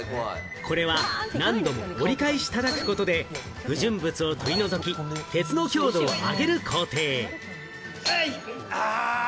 これは何度も折り返し叩くことで、不純物を取り除き、鉄の強度を上げる工程。